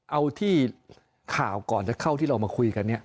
เอาที่ข่าวก่อนจะเข้าที่เรามาคุยกันเนี่ย